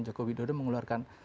joko widodo mengeluarkan